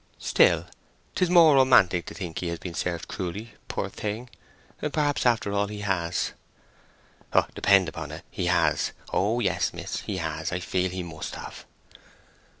"Still, 'tis more romantic to think he has been served cruelly, poor thing'! Perhaps, after all, he has!" "Depend upon it he has. Oh yes, miss, he has! I feel he must have."